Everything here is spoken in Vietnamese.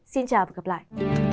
xin chào và gặp lại